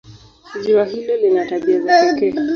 Ziwa hilo lina tabia za pekee.